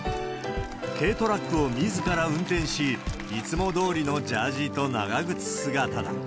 軽トラックをみずから運転し、いつもどおりのジャージと長靴姿だ。